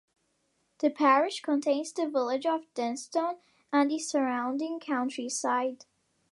The parish contains the village of Denstone and the surrounding countryside.